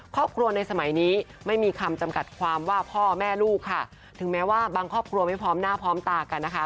ครอบครัวในสมัยนี้ไม่มีคำจำกัดความว่าพ่อแม่ลูกค่ะถึงแม้ว่าบางครอบครัวไม่พร้อมหน้าพร้อมตากันนะคะ